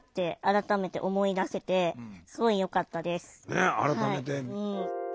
ねえ改めて。